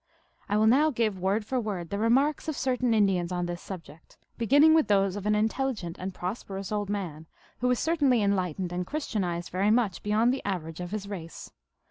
I will now give, word for word, the remarks of cer tain Indians on this subject, beginning with those of an intelligent and prosperous old man, who is cer tainly enlightened and Christianized very much be yond the average of his race.